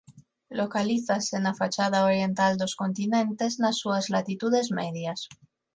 Localízase na fachada oriental dos continentes nas súas latitudes medias.